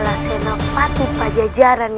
lihat set apaissen kita sekarang ini